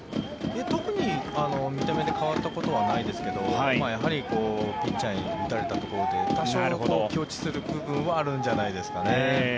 特に、見た目で変わったことはないですけどやはりピッチャーに打たれたところで多少、気落ちする部分はあるんじゃないですかね。